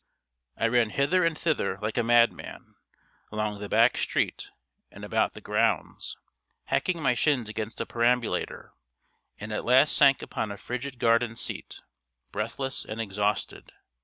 I ran hither and thither like a madman, along the back street and about the grounds, hacking my shins against a perambulator, and at last sank upon a frigid garden seat, breathless and exhausted.